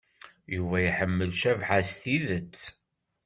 Yuba iḥemmel Cabḥa s tidet.